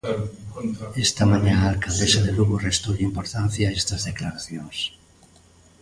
Esta mañá a alcaldesa de Lugo restoulle importancia a estas declaracións.